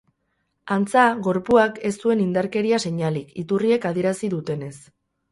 Antza, gorpuak ez zuen indarkeria seinalerik, iturriek adierazi dutenez.